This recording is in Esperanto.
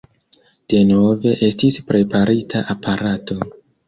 Denove estis preparita aparato.